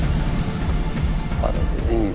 dibuang jauh aja ya